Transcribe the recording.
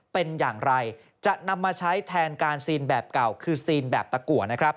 เป็นอย่างไรจะนำมาใช้แทนการซีนแบบเก่าคือซีนแบบตะกัวนะครับ